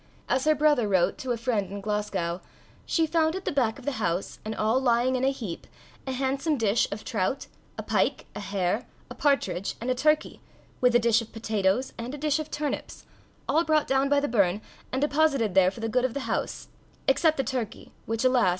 As her brother wrote to a friend in Glasgow, she "found at the back of the house, and all lying in a heap, a handsome dish of trout, a pike, a hare, a partridge, and a turkey, with a dish of potatoes, and a dish of turnips, all brought down by the burn, and deposited there for the good of the house, except the turkey, which, alas!